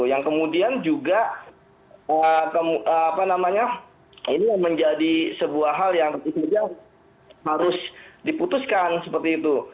yang kemudian juga ini menjadi sebuah hal yang harus diputuskan seperti itu